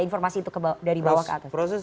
informasi itu dari bawah ke atas